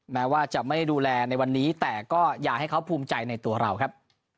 แม้ว่าจะไม่ดูแลในวันนี้แต่ก็อย่าให้เขาภูมิใจในตัวเราครับ